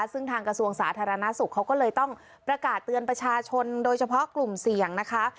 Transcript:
ซึ่งทางกระทรวงสาธารณสุขเขาก็เลยต้องประกาศเตือนประชาชนโดยเฉพาะกลุ่มเสี่ยงนะคะ